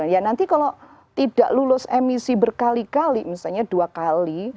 ya nanti kalau tidak lulus emisi berkali kali misalnya dua kali